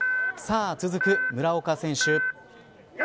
さあ、続く村岡選手。